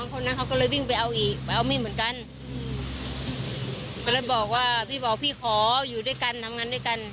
เขาเลยบอกว่าพี่บอกว่าพี่ขออยู่ด้วยกันทำงานด้วยกัน